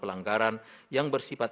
pertama jalan hukum tidak diselesaikan